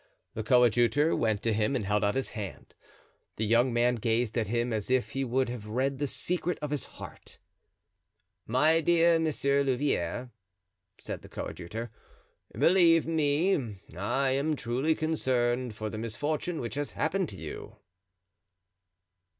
The coadjutor went to him and held out his hand. The young man gazed at him as if he would have read the secret of his heart. "My dear Monsieur Louvieres," said the coadjutor, "believe me, I am truly concerned for the misfortune which has happened to you."